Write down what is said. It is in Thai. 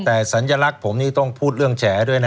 แต่สัญลักษณ์ผมนี่ต้องพูดเรื่องแฉด้วยนะ